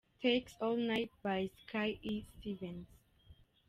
Takes All Night by Skye Stevens:.